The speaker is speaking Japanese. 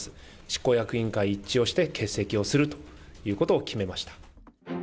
執行役員会一致をして欠席をするということを決めました。